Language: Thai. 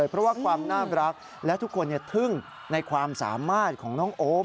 เพราะว่าความน่ารักและทุกคนทึ่งในความสามารถของน้องโอม